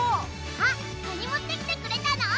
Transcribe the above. あっカニ持ってきてくれたの？